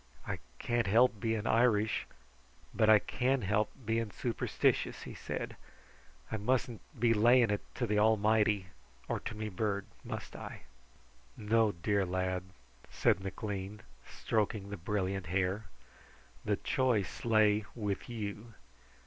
"I can't help being Irish, but I can help being superstitious," he said. "I mustn't be laying it to the Almighty, or to me bird, must I?" "No, dear lad," said McLean, stroking the brilliant hair. "The choice lay with you.